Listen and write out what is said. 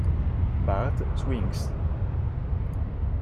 Bart Swings